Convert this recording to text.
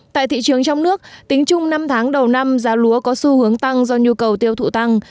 tại thị trường trong nước tính chung năm tháng đầu năm giá lúa có xu hướng tăng do nhu cầu tiêu thụ tăng